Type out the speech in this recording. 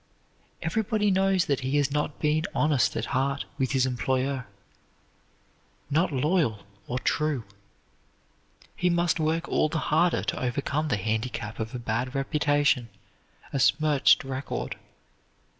Everybody knows that he has not been honest at heart with his employer, not loyal or true. He must work all the harder to overcome the handicap of a bad reputation, a smirched record.